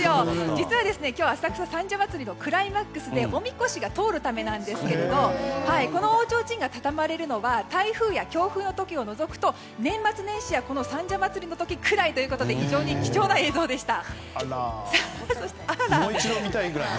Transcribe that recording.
実は浅草は三社祭のクライマックスでおみこしが通るためなんですがこの大ちょうちんが畳まれるのは台風や強風を除くと年末年始や三社祭の時くらいということで非常に貴重な映像でした。